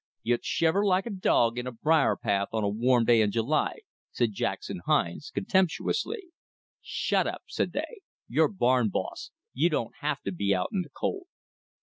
"You'd shiver like a dog in a briar path on a warm day in July," said Jackson Hines contemptuously. "Shut up!" said they. "You're barn boss. You don't have to be out in th' cold."